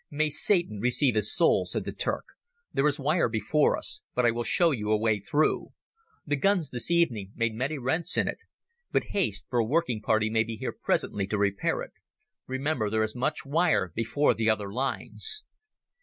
"May Satan receive his soul!" said the Turk. "There is wire before us, but I will show you a way through. The guns this evening made many rents in it. But haste, for a working party may be here presently to repair it. Remember there is much wire before the other lines."